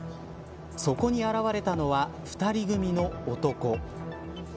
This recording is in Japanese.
そこに現れたのは２人組みの男。